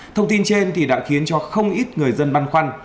thông tin trên đã khiến cho không ít người dân băn khoăn